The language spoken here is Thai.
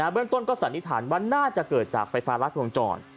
เบื้องต้นก็สันนิษฐานว่าน่าจะเกิดจากไฟฟ้ารัดวงจร